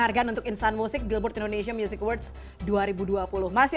jadi artinya atmosfernya semakin berkembang ya